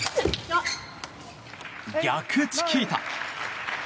逆チキータ。